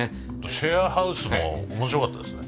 シェアハウスも面白かったですね。